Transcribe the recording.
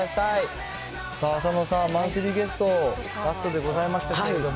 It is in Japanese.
さあ、浅野さん、マンスリーゲスト、ラストでございましたけれども。